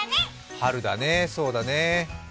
春だね、そうだね。